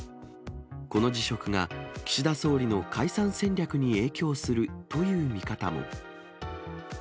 この辞職が、岸田総理の解散戦略に影響するという見方も。